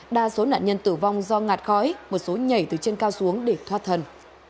đa số nạn nhân tử vong do ngạt khói một số nhảy từ trên cao xuống để thoát thần